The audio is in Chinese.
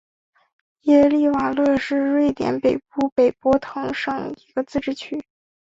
耶利瓦勒市是瑞典北部北博滕省的一个自治市。